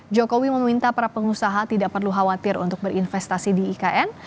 jokowi meminta para pengusaha tidak perlu khawatir untuk berinvestasi di ikn